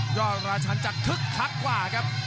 ยอดละชันจะทึกคักขวาครับ